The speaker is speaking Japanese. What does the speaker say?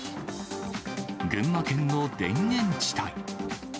群馬県の田園地帯。